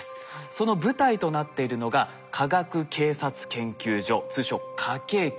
その舞台となっているのが科学警察研究所通称科警研。